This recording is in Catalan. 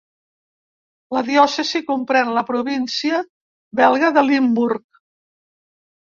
La diòcesi comprèn la província belga de Limburg.